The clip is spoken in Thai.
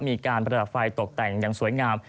มีการประดับไฟตกแต่งอย่างสวยงาม